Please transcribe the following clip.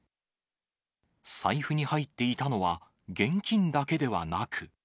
財布に入っていたのは、現金だけではなく。